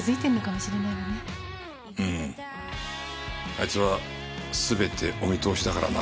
あいつは全てお見通しだからな。